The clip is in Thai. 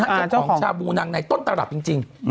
ของชาบูนางในต้นตลับจริง